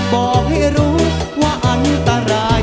บอกให้รู้ว่าอันตราย